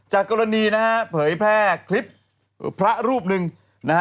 กรณีนะฮะเผยแพร่คลิปพระรูปหนึ่งนะฮะ